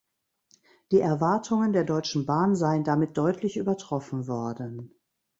Die Erwartungen der Deutschen Bahn seien damit deutlich übertroffen worden.